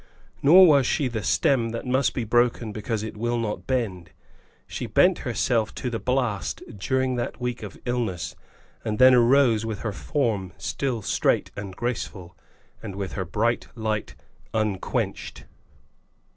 Nor was she the stem that must be broken because it will not bend. She bent herself to the blast during that week of illness, and then arose with her form still straight and graceful, and with her bright light unquenched.